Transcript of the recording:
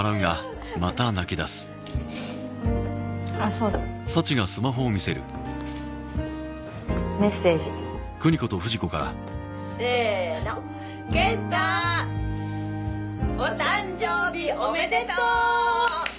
そうだメッセージせーのケンタお誕生日おめでとう！